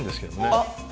あっ。